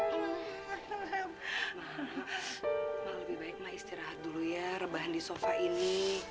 wah lebih baik mah istirahat dulu ya rebahan di sofa ini